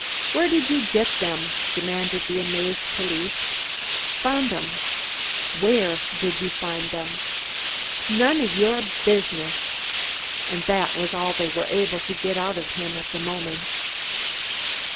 "Where did you get them?" demanded the amazed police. "Found 'em." "Where did you find them?" "None o' your business." And that was all they were able to get out of him at the moment.